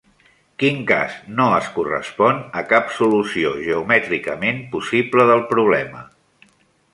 Quin cas no es correspon a cap solució geomètricament possible del problema?